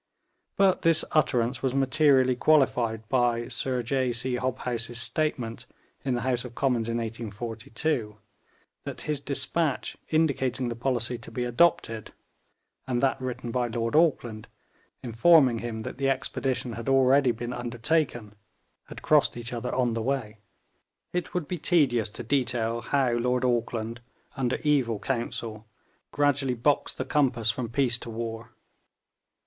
But this utterance was materially qualified by Sir J. C. Hobhouse's statement in the House of Commons in 1842, that his despatch indicating the policy to be adopted, and that written by Lord Auckland, informing him that the expedition had already been undertaken, had crossed each other on the way. It would be tedious to detail how Lord Auckland, under evil counsel, gradually boxed the compass from peace to war.